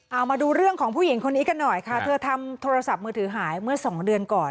เอามาดูเรื่องของผู้หญิงคนนี้กันหน่อยค่ะเธอทำโทรศัพท์มือถือหายเมื่อสองเดือนก่อน